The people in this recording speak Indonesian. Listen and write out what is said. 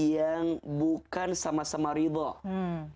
yang bukan sama sama ridho